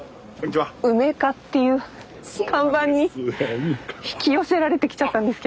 うめ課っていう看板に引き寄せられてきちゃったんですけど。